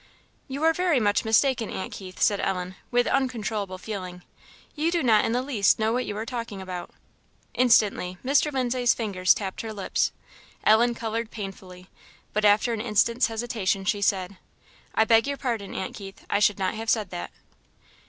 "You are very much mistaken, aunt Keith," said Ellen, with uncontrollable feeling; "you do not in the least know what you are talking about!" Instantly, Mr. Lindsay's fingers tapped her lips. Ellen coloured painfully, but after an instant's hesitation she said "I beg your pardon, Aunt Keith, I should not have said that."